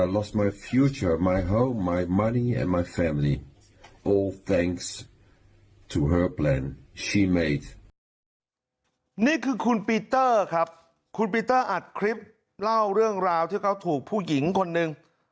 เล่าเรื่องราวที่เขาถูกผู้หญิงคนหนึ่ง